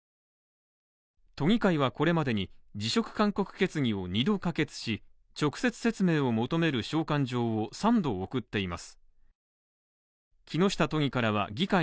都議会はこれまでに辞職勧告決議を２度可決し、直接説明を求める召喚状を３度送っています。